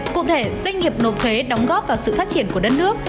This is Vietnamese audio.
cụ thể doanh nghiệp nộp thuế đóng góp vào sự phát triển của đất nước